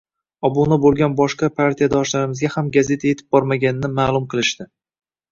Obuna boʻlgan boshqa partiyadoshlarimizga ham gazeta yetib bormaganini maʼlum qilishdi.